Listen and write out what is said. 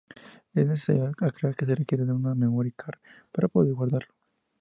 Es necesario aclarar que se requiere de una memory card para poder guardarlo.